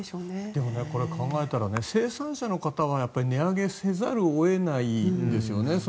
でもね、これ考えたら生産者の方は値上げせざるを得ないですよね。